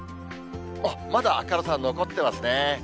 まだ明るさ残ってますね。